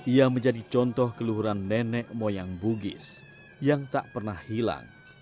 ia menjadi contoh keluhuran nenek moyang bugis yang tak pernah hilang